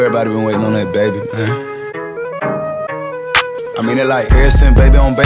pension di satria muda